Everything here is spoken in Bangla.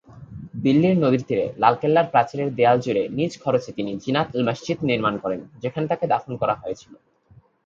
দিল্লির নদীর তীরে লালকেল্লা-র প্রাচীরের দেওয়াল জুড়ে নিজ খরচে তিনি জিনাত-উল-মসজিদ নির্মান করেন, যেখানে তাকে দাফন করা হয়েছিল।